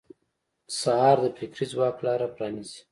سهار د فکري ځواک لاره پرانیزي.